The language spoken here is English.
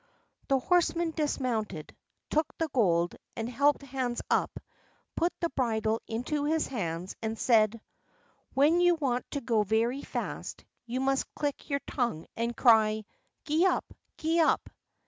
The horseman dismounted, took the gold, and helped Hans up, put the bridle into his hands, and said: "When you want to go very fast, you must click your tongue and cry 'Gee up! Gee up!